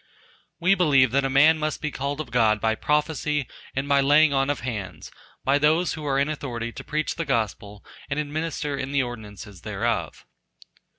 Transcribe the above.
We believe that a man must be called of God by "prophesy, and by laying on of hands" by those who are in authority to preach the gospel and administer in the ordinances thereof.